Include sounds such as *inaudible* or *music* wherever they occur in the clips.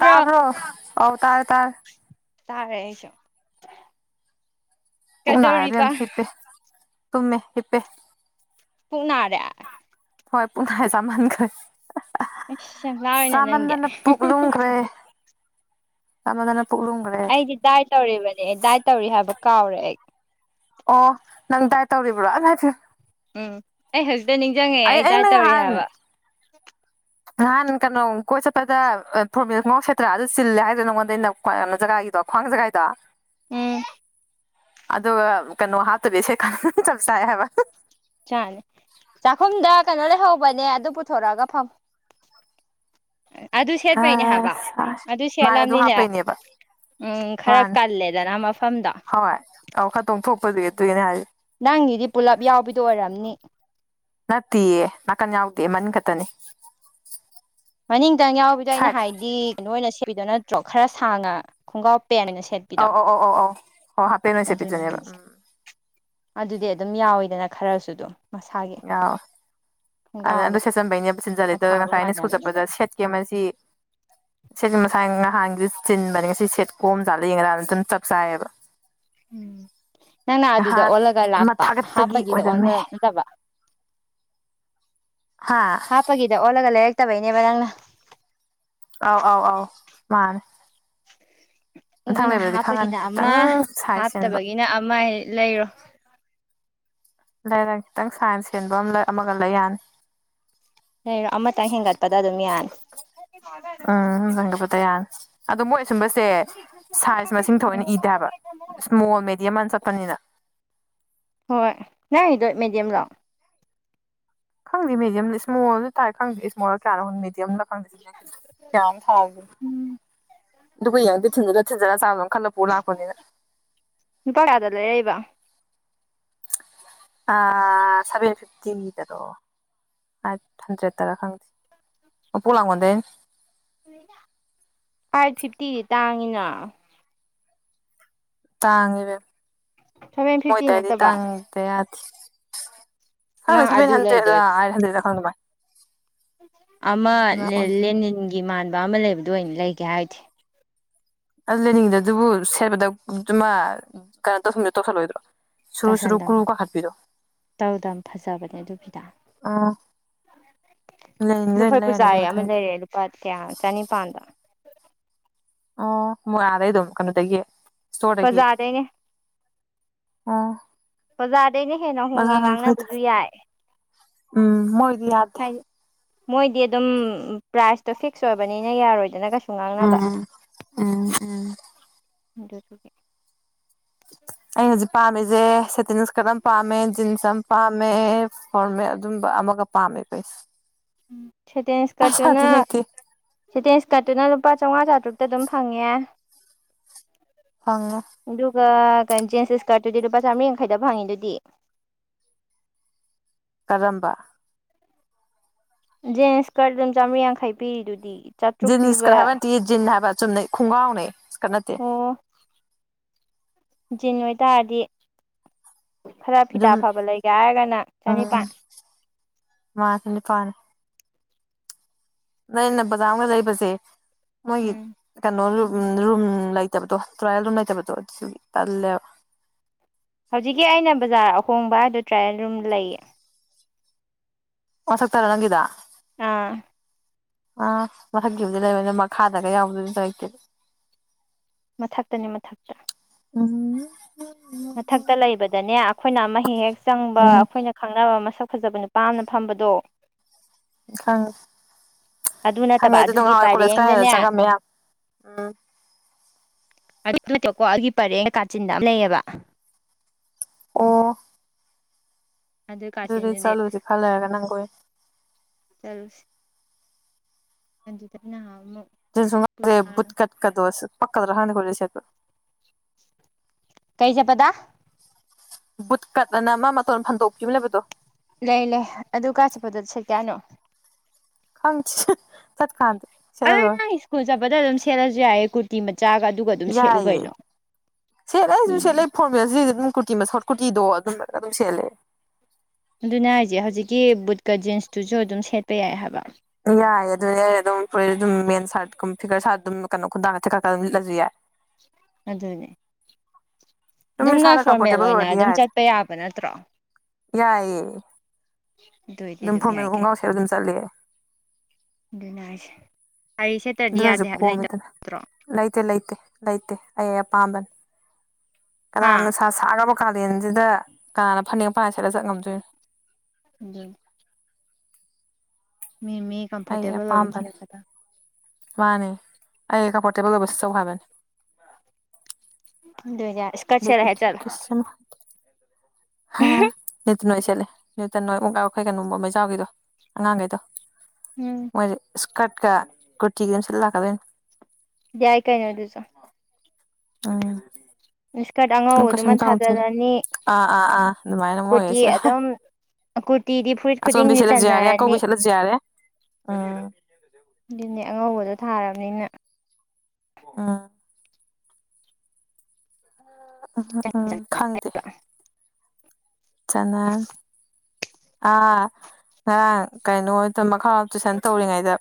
ꯇꯥꯕ꯭ꯔꯣ ꯑꯧ ꯇꯥꯔꯦ ꯇꯥꯔꯦ ꯇꯥꯔꯦ ꯑꯩꯁꯨ ꯄꯨꯛ ꯅꯥꯔꯦ ꯀꯩꯗꯧꯔꯤꯕ ꯏꯕꯦꯝꯃ ꯍꯤꯞꯄꯦ ꯇꯨꯝꯃꯦ ꯍꯤꯞꯄꯦ ꯄꯨꯛ ꯅꯥꯔꯦ ꯍꯣꯏ ꯄꯨꯛ ꯅꯥꯔꯦ ꯆꯃꯟꯈ꯭ꯔꯦ ꯑꯁ ꯌꯥꯝ ꯂꯥꯎꯔꯦꯅꯦ ꯅꯪꯗꯤ ꯆꯥꯃꯟꯗꯅ ꯄꯨꯛ ꯂꯨꯝꯈ꯭ꯔꯦ ꯆꯥꯃꯟꯗꯅ ꯄꯨꯛ ꯂꯨꯝꯈ꯭ꯔꯦ ꯑꯩꯗꯤ ꯗꯥꯏꯠ ꯇꯧꯔꯤꯕꯅꯦ ꯗꯥꯏꯠ ꯇꯧꯔꯤ ꯍꯥꯏꯕ ꯀꯥꯎꯔꯦ ꯑꯩ ꯑꯣ ꯅꯪ ꯗꯥꯥꯏꯠ ꯇꯧꯔꯤꯕ꯭ꯔꯣ ꯏꯃꯥꯢꯄꯦꯃ ꯎꯝ ꯑꯩ ꯍꯧꯖꯤꯛꯇ ꯅꯤꯡꯖꯪꯉꯛꯑꯦ ꯑꯩ ꯗꯥꯏꯠ ꯑꯩꯅ ꯇꯧꯔꯤ ꯅꯍꯥꯟ ꯍꯥꯏꯕ ꯅꯍꯥꯟ ꯀꯩꯅꯣ ꯀꯣꯏ ꯆꯠꯄꯗ ꯐꯣꯔꯃꯦꯜ ꯈꯣꯡꯒ꯭ꯔꯥꯎ ꯁꯦꯠꯇ꯭ꯔꯥ ꯑꯗꯨ ꯆꯤꯜꯂꯦ ꯍꯥꯏꯗ꯭ꯔ ꯅꯉꯣꯟꯗ ꯑꯩꯅ ꯀꯩꯅꯣ ꯖꯒꯥꯒꯤꯗꯣ ꯈ꯭ꯋꯥꯪꯖꯒꯥꯏꯗꯣ ꯎꯝ ꯑꯗꯨꯒ ꯀꯩꯅꯣ ꯍꯥꯞꯇꯕꯤ ꯁꯦꯠꯂꯀꯥꯟꯗ ꯆꯞ ꯆꯥꯢ ꯍꯥꯢꯕ ꯆꯥꯅꯤ ꯆꯥꯛꯈꯨꯝꯗ ꯀꯩꯅꯣ ꯂꯩꯍꯧꯕꯅꯦ ꯑꯗꯨ ꯄꯨꯊꯣꯔꯛꯑꯒ ꯐꯝꯃ ꯑꯗꯨ ꯁꯦꯠꯄꯩꯅꯦ ꯍꯥꯏꯕ ꯑꯁ ꯑꯗꯨ ꯃꯥꯅꯦ ꯑꯗꯨ ꯁꯦꯠꯂꯝꯅꯤꯅ ꯍꯥꯞꯄꯩꯅꯦꯕ ꯎꯝ ꯈꯔ ꯃꯥꯅꯦ ꯀꯜꯂꯦꯗꯅ ꯃꯐꯝꯗꯣ ꯑꯗꯨꯨꯢꯅꯦ ꯍꯥꯏ ꯅꯪꯒꯤꯗꯤ ꯄꯨꯂꯞ ꯌꯥꯎꯕꯤꯗꯣ ꯑꯣꯏꯔꯝꯅꯤ ꯅꯠꯇꯤꯌꯦ ꯅꯥꯀꯟ ꯌꯥꯎꯗꯤꯌꯦ ꯃꯅꯤꯡ ꯈꯛ ꯇꯅꯦ ꯃꯅꯤꯡꯇꯪ ꯌꯥꯎꯕꯤꯗꯣ ꯑꯩꯅ ꯍꯥꯏꯗꯤ ꯀꯩꯅꯣ ꯑꯣꯏꯅ ꯁꯦꯠꯄꯤꯗꯣ ꯅꯠꯇ꯭ꯔꯣ ꯈꯔ ꯁꯥꯡꯉ ꯈꯣꯡꯒ꯭ꯔꯥꯎ ꯄꯦꯟ ꯑꯣꯢꯅ ꯁꯦꯠꯄꯤꯗꯣ ꯑꯧ ꯑꯧ ꯑꯧ ꯑꯧ ꯑꯧ ꯍꯣꯏ ꯍꯥꯞꯄꯦꯟ ꯑꯣꯏꯅ ꯑꯗꯨꯅꯦ ꯁꯦꯠꯄꯤꯗꯨꯅꯦꯕ ꯍꯥꯏꯖꯦ ꯎꯝ ꯑꯗꯨꯗꯤ ꯑꯗꯨꯝ ꯌꯥꯎꯋꯤꯗꯅ ꯈꯔꯁꯨ ꯑꯗꯨꯝ ꯃꯁꯥꯒꯤ ꯌꯥꯎꯋꯦ ꯑꯗ ꯑꯗꯨ ꯈꯣꯡꯒ꯭ꯔꯥꯎ ꯁꯦꯠꯆꯟꯕꯩꯅꯦ ꯑꯃ ꯆꯤꯟꯖꯜꯂꯤꯗꯣ ꯊꯥꯕ ꯉꯁꯥꯏ ꯑꯩꯅ ꯁ꯭ꯀꯨꯜ ꯃꯥꯟꯅꯕꯅꯤꯅ ꯆꯠꯄꯗ ꯁꯦꯠꯀꯦ ꯃꯁꯤ *unintelligible* ꯃꯁꯥꯏ ꯅꯍꯥꯟꯒꯤꯗꯣ ꯆꯤꯟꯕꯅꯦ ꯉꯁꯤ ꯁꯦꯠ ꯀꯣꯝ ꯖꯥꯠꯂ ꯌꯦꯡꯒꯦꯅ ꯑꯗꯨꯝ ꯆꯞ ꯆꯥꯏꯌꯦꯕ ꯎꯝ ꯅꯪꯅ ꯑꯗꯨꯗ ꯅꯍꯥꯟ ꯑꯣꯜꯂꯒ ꯑꯃ ꯂꯥꯛꯄ ꯊꯥꯒꯠꯄꯒꯤ ꯍꯥꯞꯄꯒꯤꯗ ꯑꯣꯏꯔꯝꯃꯦ ꯑꯣꯟꯕ ꯅꯠꯇꯕ ꯍꯥ ꯍꯥꯞꯄꯒꯤꯗ ꯑꯣꯜꯂꯒ ꯂꯩꯔꯛꯇꯕꯩꯅꯦꯕ ꯅꯪꯅ ꯑꯥꯎ ꯑꯥꯎ ꯑꯥꯎ ꯃꯥꯅꯦ ꯃꯊꯪ ꯑꯗꯨꯅ ꯂꯩꯕꯗꯗꯤ ꯈꯪꯉꯅꯤ ꯍꯥꯞꯄꯒꯤꯅ ꯈꯤꯇꯪ ꯑꯃ ꯁꯥꯏꯖ ꯆꯦꯟꯕ ꯍꯥꯞꯇꯕꯒꯤꯅ ꯑꯃ ꯂꯩꯔꯣ ꯂꯩꯔꯪ ꯈꯤꯇꯪ ꯁꯥꯏꯟꯁ ꯍꯦꯟꯕ ꯑꯃ ꯑꯃꯒ ꯂꯩ ꯌꯥꯅꯤ ꯂꯩꯩꯔꯣ ꯑꯃꯇꯪ ꯍꯦꯟꯒꯠꯄꯗ ꯑꯗꯨꯝ ꯌꯥꯅꯤ ꯑ ꯗꯪꯒꯕꯗ ꯌꯥꯢ ꯑꯗꯣ ꯃꯣꯏ ꯁꯨꯝꯕꯁꯦ ꯁꯥꯏꯖ ꯃꯁꯤꯡ ꯊꯑꯣꯏꯅ ꯏꯗꯦ ꯍꯥꯏꯕ ꯁ꯭ꯃꯣꯜ ꯃꯦꯗꯤꯌꯝ ꯅ ꯆꯠꯄꯅꯤꯅ ꯍꯣꯏ ꯅꯗꯣ ꯃꯦꯗꯤꯌꯝ ꯂꯣ ꯈꯪꯗꯦ ꯃꯦꯗꯤꯌꯝꯔ ꯁ꯭ꯃꯣꯜꯁꯨ ꯊꯥꯢ ꯈꯪꯗꯦ ꯁ꯭ꯃꯣꯜ ꯀꯌꯥꯅꯣ ꯃꯦꯗ꯭ꯌꯝ *unintelligible* ꯑꯗꯨꯒ ꯌꯦꯡꯉꯗ ꯊꯤꯟ ꯊꯤꯟꯖꯔ ꯆꯥ ꯈꯜꯂ ꯄꯨ ꯂꯥꯄꯅꯤꯗ ꯂꯨꯄꯥ ꯀꯌꯥꯗ ꯂꯩꯔꯛꯏꯕ ꯑ ꯁꯚꯦꯟ ꯐꯤꯞꯇꯤꯗꯔꯣ ꯑꯥꯢꯠ ꯍꯟꯇ꯭ꯔꯦꯠ ꯇꯔꯥ ꯈꯪꯗꯦ ꯃꯄꯣꯛ ꯂꯥꯡꯉꯣꯟꯗꯩ ꯑꯥꯢꯠ ꯐꯤꯞꯇꯤꯗꯤ ꯇꯥꯡꯉꯤꯅ ꯇꯥꯡꯉꯤꯗ ꯁꯚꯦꯟ ꯐꯤꯐꯇꯤ ꯃꯣꯏꯗꯥꯢꯗꯤ ꯅꯠꯇꯕ ꯇꯥꯡꯉꯦ ꯍꯤꯇ ꯌꯥꯗꯦ ꯍꯟꯗꯦ ꯅꯪ ꯁꯦꯕꯦꯟ ꯑꯗꯨ ꯍꯟꯗ꯭ꯔꯦꯠꯂ ꯂꯩꯗꯣꯏ ꯑꯩꯠ ꯍꯟꯗ꯭ꯔꯦꯠ ꯈꯪꯗꯦ ꯕꯥꯏ ꯑꯃ ꯂꯦꯅꯤꯟꯒꯤ ꯃꯥꯟꯕ ꯑꯃ ꯂꯩꯕꯗꯣ ꯑꯣꯏꯅ ꯂꯩꯒꯦ ꯍꯥꯏꯗꯦ ꯑꯗꯨ ꯂꯦꯅꯤꯡꯗꯦ ꯑꯗꯨꯕꯨ ꯁꯦꯠꯕꯗ ꯗꯨꯃ ꯀꯩꯅꯣ ꯇꯧꯁꯤꯟꯕꯤꯗꯣ ꯇꯧꯁꯤꯂꯣꯏꯗ꯭ꯔꯣ ꯇꯧꯁꯟꯗꯝ ꯇꯧꯗꯝ ꯐꯖꯕꯅꯦ ꯑꯗꯨꯒꯤꯗ ꯑꯥ ꯂꯦꯅꯤꯡꯒꯤꯗ ꯑꯣꯏꯅ ꯗꯄꯈꯣꯏ ꯂꯩꯔꯅꯤꯗꯤ ꯄꯨꯖꯥꯔꯤ ꯑꯃ ꯃꯊꯪꯒꯤꯗ ꯂꯩꯔꯦ ꯂꯨꯄꯥ ꯀꯌꯥ ꯆꯅꯤꯄꯥꯥꯟꯗ ꯑꯣ ꯃꯣ ꯑꯗꯩꯗꯣ ꯀꯅꯣ ꯗꯒꯤ ꯕꯖꯥꯔꯗꯩꯅꯦ ꯑꯥ ꯕꯖꯥꯔꯗꯩꯅ ꯍꯦꯟꯅ ꯍꯣꯡꯉꯦ ꯉꯥꯡꯅꯕꯁꯨ ꯌꯥꯏ ꯎꯝ ꯃꯣꯏꯗꯤ ꯌꯥꯗꯦ ꯍꯥꯏꯗꯤ ꯃꯣꯏꯗꯤ ꯑꯗꯨꯝ ꯄ꯭ꯔꯥꯏꯁꯇꯣ ꯐꯤꯛꯁ ꯑꯣꯏꯕꯅꯤꯅ ꯌꯥꯔꯣꯏꯗꯅ ꯉꯥꯡꯅꯕ ꯎꯝ ꯎꯝ ꯎꯝ ꯗꯨꯒꯤ *inaudible* ꯑꯩ ꯍꯖꯤꯛ ꯄꯥꯝꯃꯤꯖꯦ ꯁꯦꯇꯤꯟ ꯁꯀ꯭ꯔꯠ ꯑꯃ ꯄꯥꯝꯃꯦ ꯖꯤꯟꯁ ꯑꯃ ꯄꯥꯝꯃꯦ ꯐꯣꯔꯃꯦꯠ ꯑꯗꯨꯝꯕ ꯑꯝ ꯃꯒ ꯄꯥꯝꯃꯦ ꯄꯩꯁ ꯁꯦꯇꯦꯟ ꯏꯁꯀ꯭ꯔꯠꯇꯨꯅ ꯁꯦꯇꯦꯟ ꯏꯁꯀ꯭ꯔꯠꯇꯨꯅ ꯂꯨꯄꯥ ꯆꯥꯝꯃꯉꯥ ꯆꯥꯇ꯭ꯔꯨꯛꯇ ꯑꯗꯨꯝ ꯐꯪꯉꯦ ꯐꯪꯉꯦ ꯒ ꯖꯤꯟꯁ ꯁꯀ꯭ꯔꯠꯇꯨꯗꯤ ꯂꯨꯄꯥ ꯆꯥꯝꯃꯔꯤ ꯌꯥꯡꯈꯩꯗ ꯐꯪꯉꯤ ꯗꯨꯗꯤ ꯀꯔꯝꯕ ꯖꯤꯢꯟꯁ ꯁꯀ꯭ꯔꯠ ꯑꯗꯨꯝ ꯆꯥꯝꯃꯔꯤ ꯌꯥꯡꯈꯩ ꯄꯤꯔꯤꯗꯨꯗꯤ ꯆꯥꯇ꯭ꯔꯨꯛ ꯖꯤꯟ ꯁ꯭ꯀꯠ ꯄꯤꯕ ꯍꯕ ꯅꯇꯦ ꯖꯤꯟ ꯍꯕ ꯆꯨꯝꯅꯩ ꯈꯣꯡꯒꯥꯎꯅꯦ ꯁꯀꯠ ꯅꯠꯇꯦ ꯑꯣ ꯖꯤꯟ ꯑꯣꯏꯇꯥꯔꯗꯤ ꯈꯔ ꯐꯤꯗꯥ ꯑꯗꯨꯝ ꯐꯕ ꯂꯩꯒꯦ ꯍꯥꯏꯔꯒꯅ ꯆꯅꯤꯄꯥꯥꯟ ꯃꯥ ꯆꯅꯤꯄꯥꯟ ꯅꯩꯅ ꯕꯖꯥꯔ ꯑꯃꯒ ꯂꯩꯕꯁꯦ ꯃꯣꯏꯒꯤ ꯎꯝ ꯀꯩꯅꯣꯖꯨ ꯎ ꯔꯨꯝ ꯂꯩꯇꯕꯗꯣ ꯇ꯭ꯔꯥꯏꯌꯦꯜ ꯔꯨꯝ ꯂꯩꯇꯕꯗꯣ ꯑꯗꯨꯁꯨ ꯇꯜꯂꯦꯕ ꯍꯧꯖꯤꯛꯀꯤ ꯑꯩꯅ ꯕꯖꯥꯔ ꯑꯍꯣꯡꯕ ꯍꯥꯏꯗꯣ ꯇ꯭ꯔꯥꯌꯦꯜ ꯔꯨꯝ ꯂꯩꯌꯦ ꯃꯥꯊꯛ ꯇꯔ ꯅꯪꯒꯤꯗꯣ ꯑꯥ ꯑꯥ ꯃꯊꯛꯀꯤꯕꯨꯗꯤ ꯂꯩꯕ ꯑꯗꯨ ꯃꯈꯥꯗꯒ ꯌꯥꯎꯕꯗꯨꯗꯤ ꯂꯩꯇꯦ ꯃꯊꯛꯇꯅꯤ ꯃꯊꯛꯇ ꯎꯝ ꯃꯊꯛꯇ ꯂꯩꯕꯗꯅꯦ ꯑꯩꯈꯣꯏꯅ ꯑꯃ ꯍꯦꯛ ꯍꯦꯛ ꯆꯪꯕ ꯎꯝ ꯑꯩꯈꯣꯏꯅ ꯈꯪꯅꯕ ꯁꯛ ꯐꯖꯕ ꯅꯨꯄꯥꯝꯅ ꯐꯝꯕꯗꯣ ꯈꯪ ꯑꯗꯨ ꯍꯪꯉꯦ ꯅꯠꯇꯕ ꯑꯗꯨꯒꯤ ꯑꯗꯨꯗꯝꯉꯣꯏ ꯀꯣꯂꯦꯖ ꯀꯥꯏ ꯄꯔꯦꯡꯗꯅꯦ ꯆꯪꯉꯝꯃꯦ ꯌꯥꯝ ꯎꯝ ꯀꯣ ꯑꯩꯒꯤ ꯄꯔꯦꯡ ꯀꯥꯆꯤꯟꯗ ꯑꯃ ꯂꯩꯑꯕ ꯑꯣ ꯑꯗꯨꯏ ꯑꯗꯨꯗꯤ ꯀꯥꯆꯤꯟꯗꯨꯗꯤ ꯆꯠꯂꯨꯁꯦ ꯈꯔ ꯂꯩꯔꯒ ꯅꯪꯒ ꯑꯣꯏꯅ ꯆꯠꯂꯨꯁꯤ ꯑꯗꯨꯗꯤ ꯅꯍꯥꯟꯃꯨꯛ ꯁꯨ ꯄꯨꯖꯥ ꯕꯨꯠꯀꯠ ꯀꯗꯣ ꯁꯦꯠꯄ ꯄꯀꯗꯔ ꯈꯪꯗꯦ ꯀꯣꯂꯦꯁꯇ ꯁꯦꯠꯄ ꯀꯩ ꯆꯠꯄꯗ ꯕꯨꯠ ꯀꯠ ꯑꯅ ꯑꯃ ꯃꯇꯣꯟ ꯐꯟꯗꯣꯛꯄꯤ ꯑꯃ ꯂꯩꯕꯗꯣ ꯂꯩ ꯂꯩ ꯑꯗꯨ ꯀꯥꯏ ꯆꯠꯄꯗ ꯁꯠꯀꯦ ꯍꯥꯏꯔꯤꯅꯣ ꯈꯪꯗꯦ ꯆꯠꯀꯥꯟꯗ ꯁꯠꯂ ꯑꯗꯨ ꯂꯣꯏꯔꯦ ꯅꯪ ꯁ꯭ꯀꯨꯜ ꯁꯦꯠꯂꯁꯨ ꯌꯥꯏꯌꯦ ꯀꯨꯔꯔꯤ ꯃ ꯌꯥꯏꯑꯦ ꯁꯦꯠꯂꯦꯁꯨ ꯁꯦꯠꯂꯦ ꯃꯤꯅꯦ ꯐꯣꯔꯃꯦꯜꯁꯤꯁꯦ ꯑꯗꯨꯝ ꯀꯨꯔꯇꯤ ꯃꯊꯛ ꯀꯨꯇꯤꯗꯣ ꯑꯗꯨꯝ ꯑꯗꯨꯝ ꯁꯦꯠꯂꯦ ꯑꯗꯨꯅꯦ ꯍꯥꯏꯁꯦ ꯍꯧꯖꯤꯛꯀꯤ ꯕꯨꯠꯀ ꯖꯤꯟꯁꯇꯨꯁꯨ ꯑꯗꯨꯝ ꯁꯦꯠꯄ ꯌꯥꯏ ꯍꯥꯏꯕ ꯌꯥꯏꯌꯦ ꯑꯗꯨꯅꯦ ꯑꯩꯅ ꯑꯗꯨꯝ *unintelligible* ꯁꯥꯔꯠ ꯐꯤꯒꯔ ꯁꯥꯔꯠ ꯑꯗꯨꯝ ꯀꯩꯅꯣ ꯈꯨꯗꯥꯡ ꯊꯦꯀꯠꯂꯒ ꯑꯗꯨꯝ ꯂꯤꯠꯂꯁꯨ ꯌꯥꯏ ꯑꯗꯨꯅꯦ ꯑꯗꯨꯝ ꯅꯣꯏ ꯏꯁꯥꯅ ꯐꯣꯔꯃꯦꯜ ꯀꯝꯐꯣꯔꯇꯦꯕꯜ ꯑꯣꯏꯅ ꯑꯣꯏꯔꯗꯤ ꯑꯗꯨꯝ ꯌꯥꯏꯗ ꯆꯠꯄ ꯌꯥꯕ ꯅꯠꯇ꯭ꯔꯣ ꯌꯥꯏꯌꯦ ꯑꯗꯨ ꯑꯣꯏꯗꯤ ꯑꯗꯨꯝ ꯐꯣꯔꯃꯦꯜ ꯌꯥꯏ ꯀꯩꯅꯣ ꯈꯣꯡꯒ꯭ꯔꯥꯎ ꯁꯦꯠꯂ ꯑꯗꯨꯝ ꯆꯠꯂꯦ ꯑꯗꯨꯅꯦ ꯍꯥꯏꯁꯦ ꯁꯥꯔꯤ ꯁꯦꯠꯇ꯭ꯔꯗꯤ ꯑꯗꯨꯅꯁꯨ ꯌꯥꯗꯦ ꯍꯥꯏꯕ ꯀꯣꯝꯃꯤꯗꯅ ꯂꯩꯇ꯭ꯔꯣ ꯂꯩꯇꯦ ꯂꯩꯇꯦ ꯂꯩꯇꯦ ꯑꯩ ꯑꯄꯥꯝꯕꯅꯤ ꯀꯅꯥ ꯍꯥ ꯅꯨꯡꯁꯥ ꯁꯥ꯭ꯔꯕꯥꯀꯥꯟ ꯀꯥꯂꯦꯟꯁꯤꯗ ꯀꯅꯥꯅ ꯐꯅꯦꯛ ꯃꯄꯥꯟꯅꯥꯏꯕ ꯁꯠꯂ ꯆꯠꯄ ꯉꯝꯗꯣꯏꯅꯣ ꯑꯗꯨ ꯃꯤ ꯃꯤ ꯑꯩ ꯀꯝꯐꯣꯔꯇꯦꯕꯜ ꯑꯣꯏꯕ ꯑꯄꯥꯝꯕꯅꯤ ꯊꯤꯔꯛꯀꯗꯝ ꯃꯥꯅꯦ ꯑꯩ ꯑꯩ ꯀꯝꯐꯣꯔꯇꯦꯕꯜ ꯑꯣꯏꯕ ꯁꯦꯠꯆꯧ ꯍꯥꯏꯕꯅꯦ ꯑꯗꯨꯅꯦ ꯏꯁꯀꯔꯠ ꯁꯦꯠꯂ ꯍꯦꯛ ꯆꯠꯂꯨ ꯍꯥ *unintelligible* *unintelligible* ꯀꯩꯅꯣ ꯃꯩꯖꯥꯎꯒꯤꯗꯣ ꯑꯉꯥꯡꯈꯩꯗꯣ ꯎꯝ ꯃꯣꯏꯗꯤ ꯏꯁ ꯀꯠꯀꯥ ꯀꯨꯔꯇꯤꯒ ꯁꯦꯠꯂ ꯂꯥꯛꯀꯗꯣꯏꯅꯤ ꯌꯥꯏ ꯀꯩꯅꯣ ꯑꯗꯨꯁꯨ ꯎꯝ ꯏꯁꯀꯔꯠ ꯑꯉꯧꯕꯗꯨꯃ ꯀꯝꯀꯩꯁꯨꯝ ꯇꯧꯗꯦ ꯊꯥꯖꯜꯂꯅꯤ ꯑ ꯑꯥ ꯑꯥ ꯑꯗꯨꯃꯥꯏꯅ ꯀꯨꯔꯇꯤ ꯃꯣꯏꯁꯦ ꯍꯦ ꯑꯗꯨꯝ ꯀꯨꯔꯇꯤꯗꯤ ꯐꯨꯔꯤꯠ ꯑꯆꯣꯟꯕꯤ ꯈꯨꯗꯤꯡꯒꯤ ꯁꯦꯠꯂꯁꯨ ꯌꯥꯔꯦ ꯆꯟꯅꯔꯅꯤ ꯑꯀꯧꯕꯤ ꯁꯦꯠꯂꯁꯨ ꯌꯥꯔꯦ ꯎꯝ ꯑꯗꯨꯅꯦ ꯑꯉꯧꯕꯗ ꯊꯥꯔꯕꯅꯤꯅ ꯎꯝ ꯎꯝ ꯍꯨꯛ ꯎꯝ ꯍꯨꯛ ꯎꯝ ꯈꯪꯗꯦ ꯆꯅꯥ ꯑꯥ ꯉꯔꯥꯡ ꯀꯩꯅꯣ ꯍꯣꯏꯇ ꯃꯈꯥꯔꯣꯝꯗ ꯇꯨꯏꯁꯟ ꯇꯧꯔꯤꯉꯩꯗ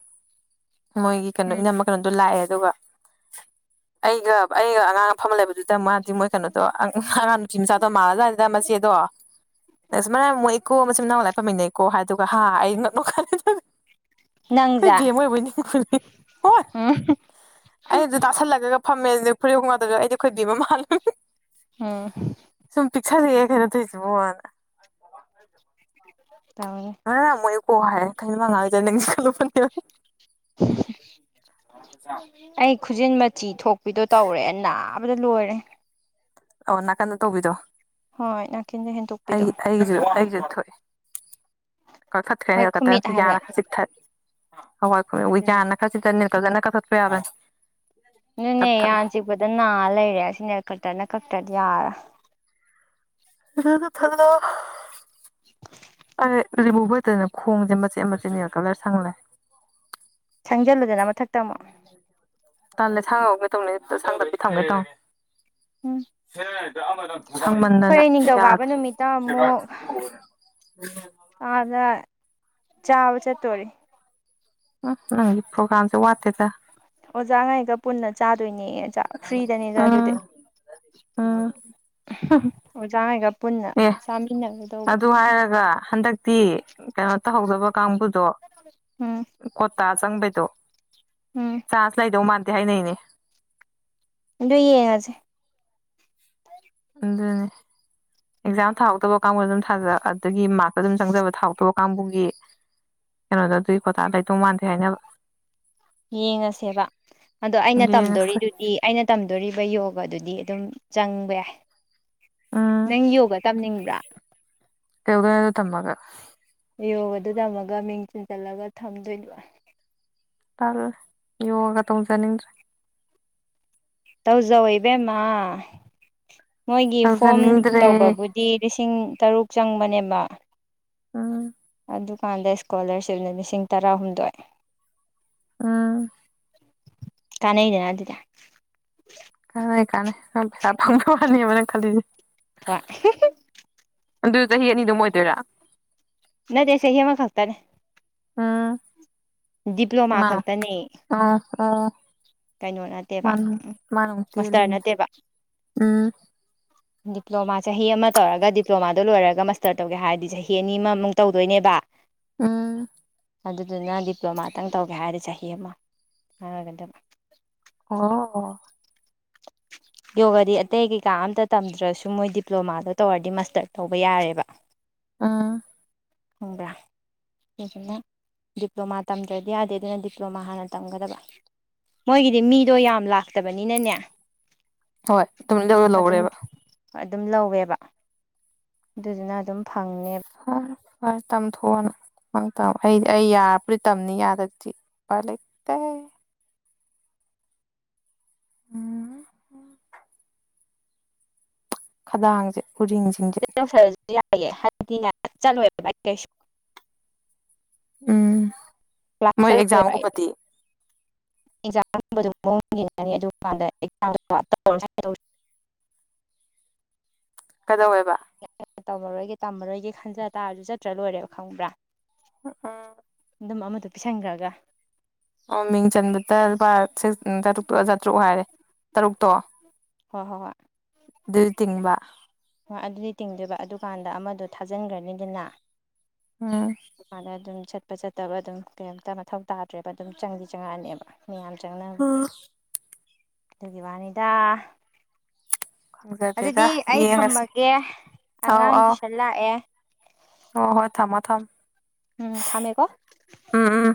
ꯃꯣꯏꯒꯤ ꯀꯩꯅꯣ ꯏꯅꯝꯃ ꯀꯩꯅꯣꯗꯣ ꯂꯥꯛꯑꯦ ꯑꯗꯨꯒ ꯑꯩꯒ ꯑꯩꯒ ꯑꯉꯥꯡ ꯐꯝꯃꯒ ꯂꯩꯕꯗꯨꯗ ꯃꯥꯗꯤ ꯃꯣꯏ ꯀꯩꯅꯣꯗꯣ ꯑꯉꯥꯡ ꯅꯨꯄꯤ ꯃꯆꯥꯗꯣ ꯃꯥꯜꯂꯖꯠꯅꯤꯗ ꯃꯆꯦꯗꯣ ꯑꯁ ꯃꯔꯝ ꯌꯥꯝ ꯃꯣꯛꯏꯀꯣ ꯃꯆꯤꯟ ꯃꯅꯥꯎ ꯂꯥꯏꯔꯤꯛ ꯄꯥꯝꯃꯤꯟꯅꯩꯀꯣ ꯍꯥꯏ ꯑꯗꯨꯒ ꯍꯥ ꯑꯩ ꯉꯛ *unintelligible* ꯑꯩꯈꯣꯏ ꯅꯪꯖꯦ ꯕꯦꯝꯃ ꯑꯣꯏꯔꯕꯣꯏ ꯅꯤꯡꯉꯨꯔꯦ ꯍꯣꯏ ꯎꯝ ꯑꯩ ꯑꯃꯇ ꯇꯥꯁꯜꯂꯒꯒ ꯐꯝꯃꯦ ꯑꯗꯨꯅꯦ ꯐꯨꯔꯤꯠ ꯑꯍꯨꯝꯈꯛꯇꯨꯁꯨ ꯑꯩꯗꯤ ꯈꯣꯏ ꯕꯤꯝꯃꯥ ꯃꯥꯜ *unintelligible* ꯍꯥꯍꯥ ꯑꯝ *unintelligible* ꯀꯩꯅꯣ ꯇꯧꯏꯁꯤꯕꯣꯅ ꯇꯧꯅꯤ ꯃꯔꯝ ꯌꯥꯝꯅ ꯃꯣꯛꯏ ꯀꯣ ꯍꯥꯏꯔꯦ ꯀꯩꯅꯣ ꯃꯅꯥ ꯉꯥꯡꯏꯁꯦ ꯈꯜꯂꯨꯕꯅꯦꯕ ꯍꯥꯍꯥ *unintelligible* ꯑꯩ ꯈꯨꯖꯤꯟ ꯃꯆꯤ ꯊꯣꯛꯄꯤꯗꯣ ꯇꯧꯔꯦ ꯅꯥꯕꯅ ꯂꯣꯏꯔꯦ ꯑꯣ ꯅꯥꯀꯟꯗ ꯇꯧꯕꯤꯗꯣ ꯍꯣꯏ ꯅꯥꯀꯟꯗ ꯑꯩ ꯍꯦꯟꯗꯣꯛꯄꯤꯗꯣ ꯑꯩꯒꯤꯁꯨ ꯑꯩꯒꯤ ꯊꯣꯛꯑꯦ ꯀꯛꯊꯠꯈ꯭ꯔꯦ ꯍꯣꯏ ꯈꯨꯃꯤꯠ ꯅꯦꯜꯀꯇꯔꯅ ꯍꯥꯏꯕ꯭ꯔꯥ ꯌꯥꯅ ꯈꯔ ꯆꯤꯛ ꯊꯠ ꯑꯗꯨꯅꯦ ꯍꯋꯥꯏ *unintelligible* *unintelligible* ꯑꯗꯨꯅꯦ ꯆꯞꯊꯠꯂꯣ ꯌꯥꯅ ꯆꯤꯛꯄꯗ ꯅꯥ ꯂꯩꯔꯦ ꯑꯁꯤꯅꯦ ꯅꯦꯜꯀꯇꯔꯅ ꯀꯛꯊꯠꯇ꯭ꯔꯗꯤ ꯌꯥꯔ ꯔꯣꯏ *unintelligible* ꯊꯣꯛꯂꯛꯑꯣ *unintelligible* ꯔꯤꯃꯨꯚꯔ ꯗꯅ ꯈꯣꯡꯁꯦ ꯃꯆꯦꯠ ꯃꯆꯦꯠ ꯅꯦ ꯀꯂꯔ ꯁꯪꯂꯩ ꯁꯪꯖꯂꯨꯗꯅ ꯑꯃ ꯇꯜꯂꯦ ꯁꯥꯡꯉ ꯉꯧꯒꯦ ꯇꯧꯅꯦ ꯁꯪꯗꯕꯤ ꯊꯝꯒꯦ ꯇꯧꯅꯦ *unintelligible* *inaudible* ꯎꯝ ꯁꯪꯃꯟꯗꯅ ꯈꯣꯢ ꯅꯤꯡꯊꯧꯀꯥꯕ ꯌꯥꯗ꯭ꯔꯦ ꯅꯨꯃꯤꯠꯇ ꯑꯃꯨꯛ ꯑꯗ ꯆꯥꯕ ꯆꯠꯇꯣꯔꯤ ꯎꯝ ꯅꯪꯒꯤꯗꯤ ꯄ꯭ꯔꯣꯒ꯭ꯔꯝꯁꯨ ꯋꯥꯠꯇꯦꯗ ꯆꯥꯉꯩꯒ ꯄꯨꯟꯅ ꯆꯥꯗꯣꯏꯅꯌꯦ ꯑꯣꯖ ꯐ꯭ꯔꯤꯗꯅꯦ ꯆꯥꯗꯣꯏꯗꯤ ꯎꯝ ꯎꯝ ꯑꯣꯖꯥꯒꯩꯒ ꯄꯨꯟꯅ ꯑꯦ ꯆꯥꯃꯤꯟꯅꯒꯦ ꯇꯧꯕ ꯄꯤ ꯀꯩꯅꯣ ꯇꯧꯍꯧꯗꯕ ꯀꯥꯡꯕꯨ ꯍꯨꯝ ꯇꯥ ꯆꯪꯕꯩꯗꯣ ꯆꯥꯟꯁ ꯂꯩꯗꯧ ꯃꯥꯟꯗꯦ ꯍꯥꯏꯅꯩꯅꯦ ꯗꯨꯢꯌꯦꯡꯉꯁꯦ ꯑꯗꯨꯅꯦ ꯑꯦꯛꯖꯥꯝ ꯊꯥꯍꯧꯗꯕ ꯀꯥꯡꯕꯨ ꯑꯗꯨꯝ ꯊꯥꯖ ꯑꯗꯒꯤ ꯃꯥꯔꯀ ꯑꯗꯨꯝ ꯆꯪꯖꯕ ꯊꯥꯎꯗꯣꯛ ꯀꯥꯡꯕꯨꯒꯤ ꯀꯩꯅꯣꯗ ꯑꯗꯨꯏ ꯀꯣꯇꯥ ꯂꯩꯇꯧ ꯃꯥꯟꯗꯦ ꯍꯥꯏꯅꯕ ꯌꯦꯡꯉꯁꯦꯕ ꯑꯗꯣ ꯑꯩꯅ ꯌꯦꯡꯉꯁꯤ ꯇꯝꯗꯣꯔꯤꯗꯨꯗꯤ ꯑꯩꯅ ꯇꯝꯗꯣꯔꯤꯕ ꯌꯣꯒ ꯑꯗꯨꯒ ꯑꯗꯨꯗꯤ ꯑꯗꯨꯝ ꯆꯪꯕ ꯌꯥꯏ ꯎꯝ ꯅꯪ ꯌꯣꯒ ꯇꯝꯅꯤꯡꯕ꯭ꯔꯥ ꯀꯩꯗꯧꯗꯣꯢꯅꯣ ꯗꯨ ꯇꯝꯃꯒ ꯌꯣꯒꯗꯨ ꯇꯝꯃꯒ ꯃꯤꯡ ꯆꯤꯟꯁꯤꯜꯂꯒ ꯊꯝꯗꯣꯏꯕ ꯇꯂꯦ ꯌꯣꯒ ꯇꯧꯖꯅꯤꯡꯗ꯭ꯔꯦ ꯇꯧꯖꯧ ꯏꯕꯦꯝꯃ ꯃꯣꯏꯒꯤ ꯐꯣꯝ ꯇꯧꯖꯅꯤꯡꯗ꯭ꯔꯦ ꯇꯧꯕꯕꯨꯗꯤ ꯂꯤꯁꯤꯡ ꯇꯔꯨꯛ ꯆꯪꯕꯅꯦꯕ ꯎꯝ ꯑꯗꯨꯀꯥꯟꯗ ꯏꯁꯀꯣꯂꯥꯔꯁꯤꯞꯅ ꯂꯤꯁꯤꯡ ꯇꯔꯥꯍꯨꯝꯗꯣꯏ ꯎꯝ ꯀꯅꯩꯗꯅ ꯑꯗꯨꯗꯤ ꯀꯅꯩ ꯀꯅꯩ ꯅꯪꯄꯩꯁꯥ ꯐꯪꯕꯋꯥꯅꯦ ꯅꯪ ꯈꯂꯤꯁꯦ ꯗ꯭ꯋꯥ ꯑꯗꯨ ꯆꯍꯤ ꯑꯅꯤꯗꯨꯝ ꯑꯣꯏꯗꯣꯏꯔꯥ ꯅꯗꯦ ꯆꯍꯤ ꯃ ꯈꯇꯅꯦ ꯎ ꯃꯥ ꯈꯛꯇꯅꯦ ꯑ ꯑ ꯀꯩꯅꯣ ꯅꯠꯇꯦꯕ ꯎꯝ ꯑꯃꯨꯛ ꯃꯁꯇꯔ ꯇꯦꯜꯂꯤꯅꯤ ꯅꯠꯇꯦꯕ ꯎꯝ ꯗꯤꯄ꯭ꯂꯣꯃꯥ ꯆꯍꯤ ꯑꯃ ꯇꯧꯔꯒ ꯗꯤꯄ꯭ꯂꯣꯃꯥꯗꯣ ꯂꯣꯏꯔꯒ ꯃꯥꯁꯇꯔ ꯇꯧꯒꯦ ꯍꯥꯏꯔꯗꯤ ꯆꯍꯤ ꯑꯅꯤ ꯑꯃꯃꯨꯛ ꯇꯧꯗꯣꯏꯅꯦꯕ ꯎꯝ ꯑꯗꯨꯗꯨꯅ ꯗꯤꯄ꯭ꯂꯣꯃꯥꯇꯪ ꯇꯧꯒꯦ ꯍꯥꯏꯔꯗꯤ ꯆꯍꯤ ꯑꯃ ꯍꯥꯏꯔꯒꯗꯕ ꯑꯣ *inaudible* ꯌꯣꯒꯗꯤ ꯑꯇꯩ ꯀꯩꯀꯥ ꯑꯝꯇ ꯇꯝꯗ꯭ꯔꯁꯨ ꯃꯣꯏ ꯗꯤꯄ꯭ꯂꯣꯃꯥꯗꯣ ꯇꯧꯔꯗꯤ ꯃꯥꯁꯇꯔ ꯇꯧꯕ ꯌꯥꯔꯦꯕ ꯎꯝ ꯍꯪꯕ꯭ꯔ ꯗꯤꯄ꯭ꯂꯣꯃꯥ ꯇꯝꯗ꯭ꯔꯗꯤ ꯌꯥꯗꯦ ꯑꯗꯨꯅ ꯗꯤꯄ꯭ꯂꯣꯃꯥ ꯍꯥꯟꯅ ꯇꯝꯒꯗꯕ ꯃꯣꯏꯒꯤꯗꯤ ꯃꯤꯗꯣ ꯌꯥꯝ ꯂꯥꯛꯇꯕꯅꯤꯅꯅꯦ ꯍꯣꯏ ꯇꯧꯗꯧꯔ ꯑꯗꯨꯝ ꯂꯧꯔꯦꯕ ꯑꯗꯨꯝ ꯂꯧꯋꯦꯕ ꯑꯗꯨꯗꯨꯅ ꯑꯗꯨꯝ ꯐꯪꯅꯦ ꯑ ꯐꯁ ꯇꯝ ꯊꯣꯅ ꯅꯪ ꯇꯝ ꯑ ꯩ ꯑꯩꯗꯤ ꯑꯩ ꯌꯥꯔꯕꯨꯗꯤ ꯇꯝꯅꯤ ꯌꯥꯗ꯭ꯔꯗꯤ ꯎꯄꯥꯢ ꯂꯩꯇꯦ ꯎꯝ ꯈꯗꯥꯡꯖꯦ ꯇꯧꯁꯜꯂꯁꯨ ꯌꯥꯏꯑꯦ ꯍꯥꯏꯕꯗꯤꯅꯦ ꯆꯠꯂꯣꯏꯦꯕ ꯕꯥ ꯀꯩꯁꯨ ꯎꯝ ꯀ꯭ꯂꯥꯁ ꯃꯣꯏ ꯆꯠꯂꯣꯏꯕ ꯑꯩ ꯑꯦꯛꯖꯥꯝꯒꯨꯝꯕꯗꯤ ꯑꯦꯛꯖꯥꯝ *unintelligible* ꯌꯦꯉꯅꯤ ꯑꯗꯨ ꯀꯥꯟꯗ *unintelligible* ꯀꯩꯗꯧꯋꯦꯕ ꯇꯧꯃꯔꯣꯏꯒꯦ ꯇꯝꯃꯔꯣꯏꯒꯦ ꯈꯟꯖ ꯇꯥꯔꯁꯨ ꯆꯠꯇ꯭ꯔ ꯂꯣꯏꯔꯦꯕ ꯈꯪꯕ꯭ꯔꯥ ꯎꯝ ꯑꯗꯨꯝ ꯑꯃꯗ ꯄꯤꯁꯟꯈ꯭ꯔꯒ ꯑꯪ ꯃꯤꯡ ꯆꯟꯕꯗ ꯂꯨꯄꯥꯥ ꯁꯤꯛꯁ ꯆꯥꯇ꯭ꯔꯨꯛꯇꯣ ꯆꯥꯇ꯭ꯔꯨꯛ ꯍꯥꯏꯔꯦ ꯇꯔꯨꯛꯇꯣ ꯍꯣꯏ ꯍꯣꯏ ꯍꯣꯏ ꯑꯗꯨꯁꯨ ꯇꯤꯡꯕ ꯍꯣꯏ ꯑꯗꯨꯗꯤ ꯇꯤꯡꯗꯣꯏꯕ ꯑꯗꯨꯀꯥꯟꯗ ꯑꯃꯗꯣ ꯊꯥꯖꯤꯟꯈ꯭ꯔꯅꯤꯗꯅ ꯎꯝ ꯃꯥꯅ ꯑꯗꯨꯝ ꯆ ꯆꯠꯄ ꯆꯠꯇꯕ ꯑꯗꯨꯝ ꯀꯩꯝꯇ ꯃꯊꯧ ꯇꯥꯗ꯭ꯔꯦꯕ ꯑꯗꯨꯝ ꯆꯪꯗꯤ ꯆꯪꯉꯛꯑꯅꯦꯕ ꯃꯌꯥꯝ ꯆꯪꯅꯕꯗꯣ ꯎꯝ ꯑꯗꯨꯒꯤ ꯋꯥꯅꯤꯗ ꯈꯪꯖꯗꯦꯗ ꯑꯗꯨꯗꯤ ꯑꯩ ꯌꯦꯡꯉꯁꯦ ꯊꯝꯃꯒꯦ ꯑꯥꯎ ꯑꯉꯥꯡ ꯑꯥꯎ ꯇꯨꯏꯁꯟ ꯂꯥꯛꯑꯦ ꯍ ꯍꯣꯏ ꯊꯃꯣ ꯊꯝ ꯎꯝ ꯊꯃꯦꯀꯣ ꯎꯝ